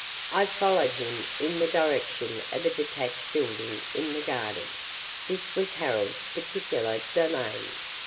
I followed him in the direction of a detached building in the garden. This was Harold's particular domain.